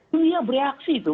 dunia bereaksi itu